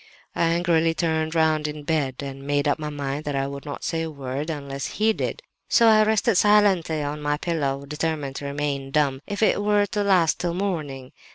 "I angrily turned round in bed and made up my mind that I would not say a word unless he did; so I rested silently on my pillow determined to remain dumb, if it were to last till morning.